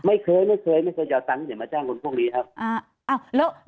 ไม่เคยไม่เคยไม่เคยเดี๋ยวเอาตังค์เดี๋ยวมาจ้างคนพวกนี้ครับ